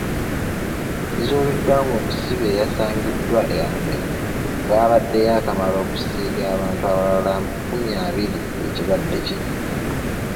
Kizuuliddwa ng'omusibe eyasangiddwa e Amuru bw'abadde yaakamala okusiiga abantu abalala makumi abiri ekirwadde kino.